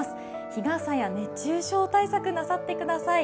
日傘や熱中症対策なさってください。